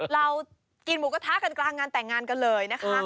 เรากินหมูกระทะกันกลางงานแต่งงานกันเลยนะคะ